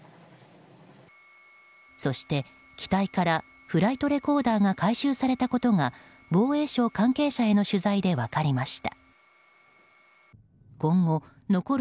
そして、機体からフライトレコーダーが回収されたことが防衛省関係者への取材で分かりました。